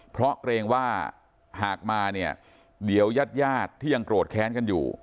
เพราะเกรงว่าหากมาเนี่ยเดี๋ยวยาดที่ยังโกรธแค้นกันอยู่